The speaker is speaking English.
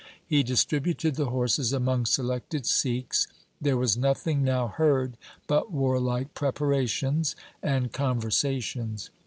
He distributed the horses among selected Sikhs. There was nothing now heard but warlike preparations and conversa tions.